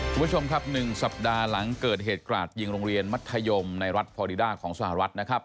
คุณผู้ชมครับ๑สัปดาห์หลังเกิดเหตุกราดยิงโรงเรียนมัธยมในรัฐพอดีด้าของสหรัฐนะครับ